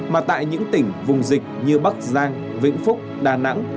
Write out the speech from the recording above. mà tại những tỉnh vùng dịch như bắc giang vĩnh phúc đà nẵng